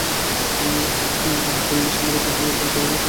তিনি বেসামরিক বিমান পরিবহন প্রশিক্ষণ কলেজে অধ্যয়ন করেছিলেন।